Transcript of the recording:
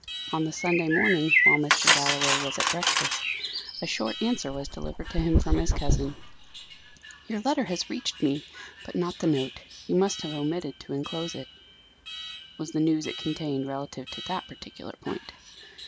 On the Sunday morning, while Mr. Galloway was at breakfast, a short answer was delivered to him from his cousin: "Your letter has reached me, but not the note; you must have omitted to enclose it," was the news it contained relative to that particular point.